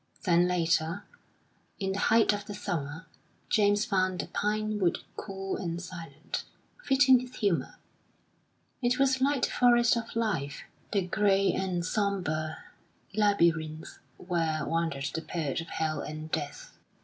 Then later, in the height of the summer, James found the pine wood cool and silent, fitting his humour. It was like the forest of life, the grey and sombre labyrinth where wandered the poet of Hell and Death.